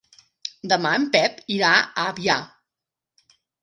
Demà en Pep irà a Avià.